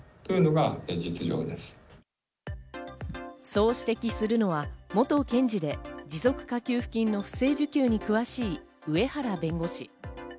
そう指摘するのは、元検事で持続化給付金の不正受給に詳しい上原弁護士。